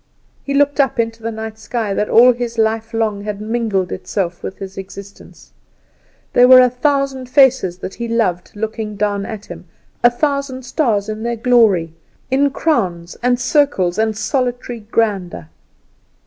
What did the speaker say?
He looked up into the night sky that all his life long had mingled itself with his existence. There were a thousand faces that he loved looking down at him, a thousand stars in their glory, in crowns, and circles, and solitary grandeur.